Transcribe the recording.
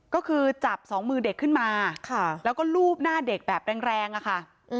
ก็คือจับสองมือเด็กขึ้นมาแล้วก็ลูบหน้าเด็กแบบแรงอะค่ะ